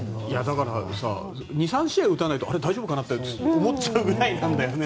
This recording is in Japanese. だから２３試合打たないと大丈夫かな？って思っちゃうぐらいなんだよね。